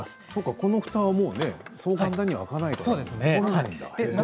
このふたはそう簡単に開かないから。